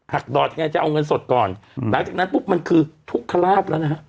ดอดยังไงจะเอาเงินสดก่อนหลังจากนั้นปุ๊บมันคือทุกขลาบแล้วนะฮะ